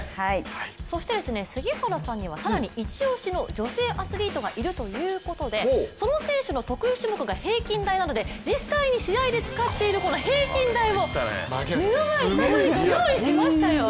そして杉原さんには一押しの女性アスリートがいるということで、その選手の得意種目が平均台なので実際に試合で使っているこの平均台をスタジオにご用意しましたよ。